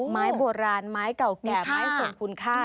ไม้โบราณไม้เก่าแก่ไม้ส่งคุณค่า